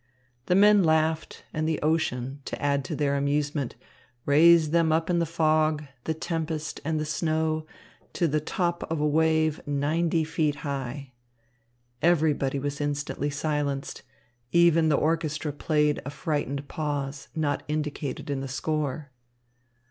The men laughed, and the ocean, to add to their amusement, raised them up in the fog, the tempest, and the snow to the top of a wave ninety feet high. Everybody was instantly silenced. Even the orchestra played a frightened pause not indicated in the score.